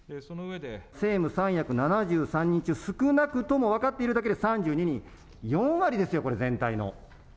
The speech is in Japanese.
政務三役７３人中、少なくとも分かっているだけで３２人、４割ですよ、これ、全体の。